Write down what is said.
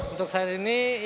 untuk saat ini ya